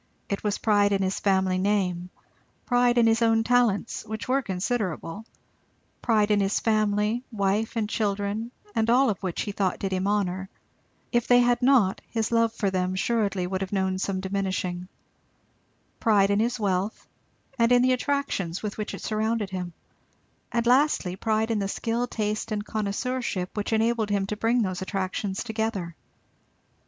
It was pride in his family name; pride in his own talents, which were considerable; pride in his family, wife and children and all of which he thought did him honour, if they had not his love for them assuredly would have known some diminishing; pride in his wealth and in the attractions with which it surrounded him; and lastly, pride in the skill, taste and connoisseurship which enabled him to bring those attractions together.